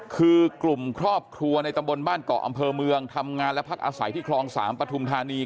คือกลุ่มครอบครัวในตำบลบ้านเกาะอำเภอเมืองทำงานและพักอาศัยที่คลอง๓ปฐุมธานี